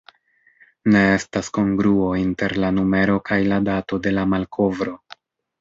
Ne estas kongruo inter la numero kaj la dato de la malkovro.